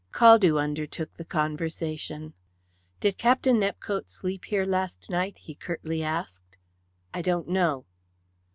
Caldew undertook the conversation: "Did Captain Nepcote sleep here last night?" he curtly asked. "I don't know."